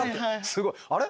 すごい「あれ？